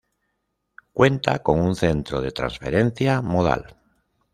Cuenta con un Centro de transferencia modal.